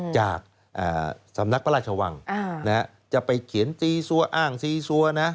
จากสำนักพระราชวังจะไปเขียนตีซัวอ้างซีซัวนะ